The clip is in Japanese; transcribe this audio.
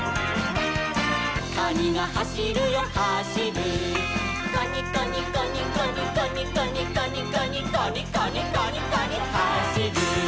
「カニがはしるよはしる」「カニカニカニカニカニカニカニカニ」「カニカニカニカニはしる」